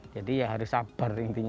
jadi ya harus sabar intinya